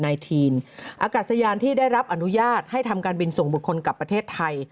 ทีนอากาศยานที่ได้รับอนุญาตให้ทำการบินส่งบุคคลกับประเทศไทย